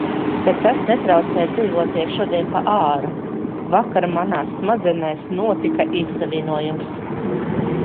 Bet tas netraucē dzīvoties šodien pa āru. Vakar manās smadzenēs notika īssavienojums.